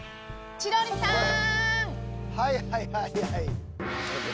千鳥さん！